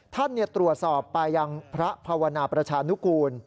ท่านตรวจสอบไปยังพระภาวนาประชานุกูล